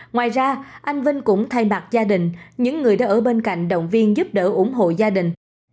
ngoài ra anh vinh cũng thay mặt gia đình những người đã ở bên cạnh động viên giúp đỡ ủng hộ gia đình